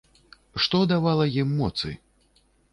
Што давала ім моцы?